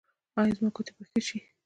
ایا زما ګوتې به ښې شي؟